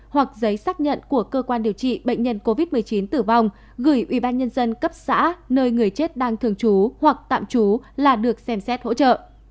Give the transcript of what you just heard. hoặc giấy xác nhận của cơ quan điều trị bệnh nhân covid một mươi chín tử vong gửi ubnd cấp xã nơi người chết đang thường trú hoặc tạm trú là được xem xét hỗ trợ